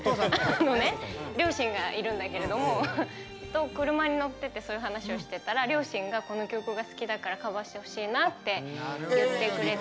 両親がいるんだけれども車に乗っててそういう話をしてたら両親がこの曲が好きだからカバーしてほしいなって言ってくれて。